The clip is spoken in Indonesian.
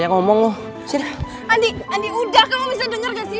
andi udah kamu bisa denger gak sih